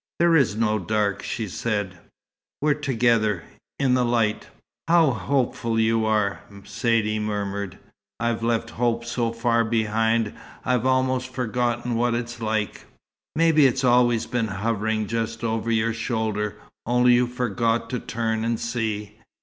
"There is no dark," she said. "We're together in the light." "How hopeful you are!" Saidee murmured. "I've left hope so far behind, I've almost forgotten what it's like." "Maybe it's always been hovering just over your shoulder, only you forgot to turn and see.